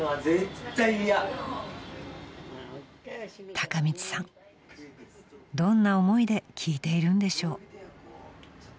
［孝道さんどんな思いで聞いているんでしょう］